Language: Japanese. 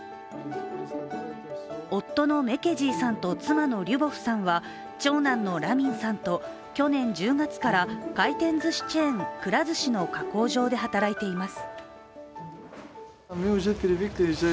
夫のメケジーさんと妻のリュボフさんは長男のラミンさんと去年１０月から回転ずしチェーン、くら寿司の加工場で働いています。